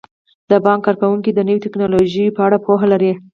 د بانک کارکوونکي د نویو ټیکنالوژیو په اړه پوهه لري.